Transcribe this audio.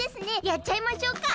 やっちゃいましょうか。